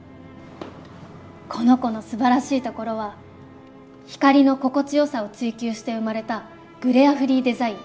この子のすばらしいところは光の心地よさを追求して生まれたグレアフリーデザイン。